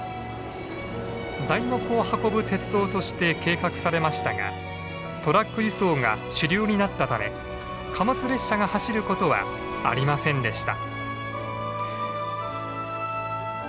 材木を運ぶ鉄道として計画されましたがトラック輸送が主流になったため貨物列車が走ることはありませんでした。